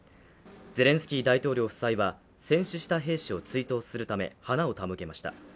ゼレンスキー大統領夫妻は戦死した兵士を追悼するため花を手向けました。